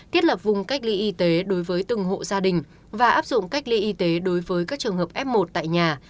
thiết lập vùng cách ly y tế đối với từng hộ gia đình và áp dụng cách ly y tế đối với các trường hợp f một tại nhà